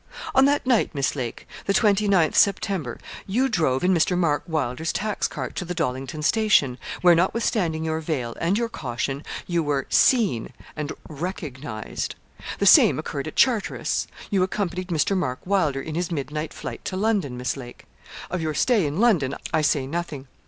'On that night, Miss Lake, the 29th September, you drove in Mr. Mark Wylder's tax cart to the Dollington station, where, notwithstanding your veil, and your caution, you were seen and recognised. The same occurred at Charteris. You accompanied Mr. Mark Wylder in his midnight flight to London, Miss Lake. Of your stay in London I say nothing.